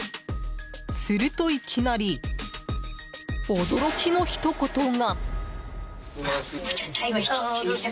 するといきなり、驚きのひと言が。